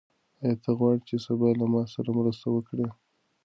آیا ته غواړې چې سبا له ما سره مرسته وکړې؟